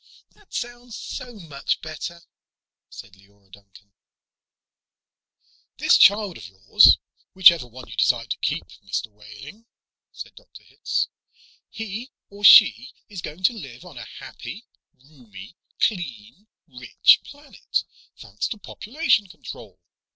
"That sounds so much better," said Leora Duncan. "This child of yours whichever one you decide to keep, Mr. Wehling," said Dr. Hitz. "He or she is going to live on a happy, roomy, clean, rich planet, thanks to population control.